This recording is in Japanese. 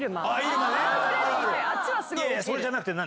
いやいやそれじゃなくて何？